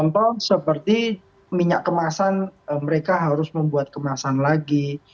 contoh seperti minyak kemasan mereka harus membuat kemasan lagi